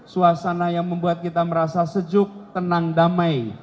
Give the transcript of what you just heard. suasana yang membuat kita merasa sejuk tenang damai